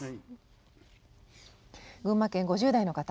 群馬県５０代の方。